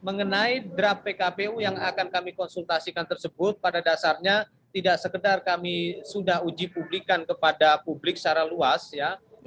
mengenai draft pkpu yang akan kami konsultasikan tersebut pada dasarnya tidak sekedar kami sudah uji publikan kepada publik secara luas ya